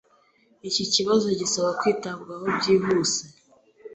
] Iki kibazo gisaba kwitabwaho byihuse.